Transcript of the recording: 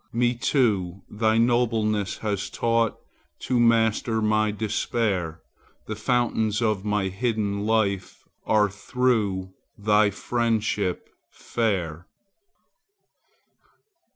Me too thy nobleness has taught To master my despair; The fountains of my hidden life Are through thy friendship fair.